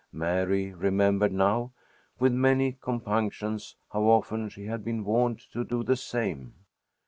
Mary remembered now, with many compunctions, how often she had been warned to do the same.